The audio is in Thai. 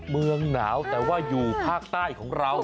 เมืองหนาวแต่ว่าอยู่ภาคใต้ของเรา